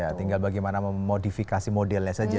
ya tinggal bagaimana memodifikasi modelnya saja